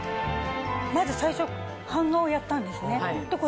まず最初半顔やったんですね。